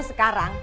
nanti aku jalan